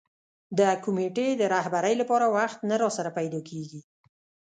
د کمېټې د رهبرۍ لپاره وخت نه راسره پیدا کېږي.